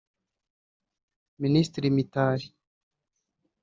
Minisitiri Mitali